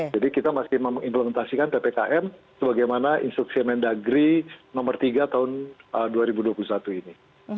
jadi kita masih mengimplementasikan ppkm sebagaimana instruksi mendagri nomor tiga tahun dua ribu dua puluh satu ini